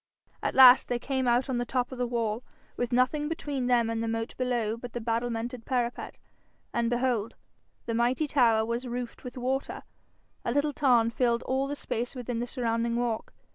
At last they came out on the top of the wall, with nothing between them and the moat below but the battlemented parapet, and behold! the mighty tower was roofed with water: a little tarn filled all the space within the surrounding walk.